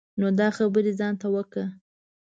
نو دا خبری ځان ته وکړه.